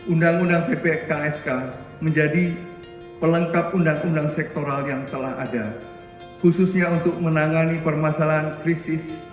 undang undang ppksk menjadi pelengkap undang undang sektoral yang telah ada khususnya untuk menangani permasalahan krisis